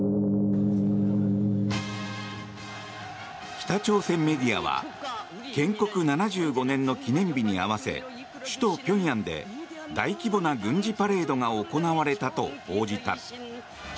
北朝鮮メディアは建国７５年の記念日に合わせ首都ピョンヤンで大規模な軍事パレードが行われたと報じた。